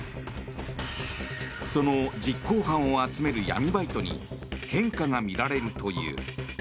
その実行犯を集める闇バイトに変化が見られるという。